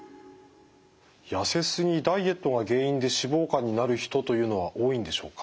痩せすぎダイエットが原因で脂肪肝になる人というのは多いんでしょうか？